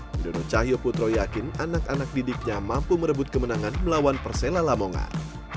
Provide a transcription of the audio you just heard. widodo cahyo putro yakin anak anak didiknya mampu merebut kemenangan melawan persela lamongan